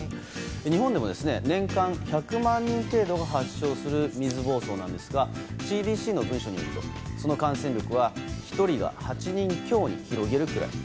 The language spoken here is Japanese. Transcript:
日本でも、年間１００万人程度が発症する水ぼうそうなんですがＣＤＣの文書によるとその感染力は１人が８人強に広げるくらい。